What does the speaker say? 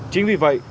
chính vì vậy